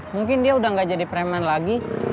mungkin dia udah gak jadi preman lagi